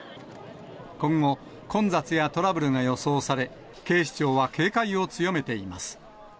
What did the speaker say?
今後、混雑やトラブルが予想され、警視庁は警戒を強めています。